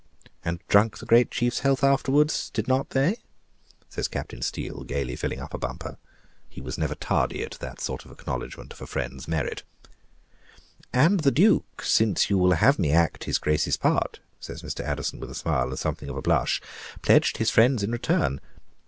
"And drunk the great chiefs health afterward, did not they?" says Captain Steele, gayly filling up a bumper; he never was tardy at that sort of acknowledgment of a friend's merit. "And the Duke, since you will have me act his Grace's part," says Mr. Addison, with a smile, and something of a blush, "pledged his friends in return.